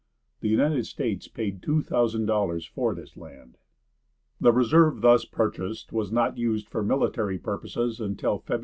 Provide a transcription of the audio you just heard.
The United States paid two thousand dollars for this land. The reserve thus purchased was not used for military purposes until Feb.